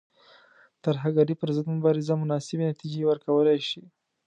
ترهګرۍ پر ضد مبارزه مناسبې نتیجې ورکولای شي.